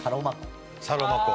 サロマ湖。